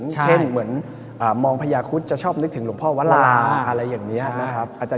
เช่นเหมือนมองพญาคุธจะชอบนึกถึงหลวงพ่อวราอะไรอย่างนี้นะครับ